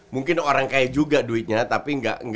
mungkin orang kaya juga duitnya tapi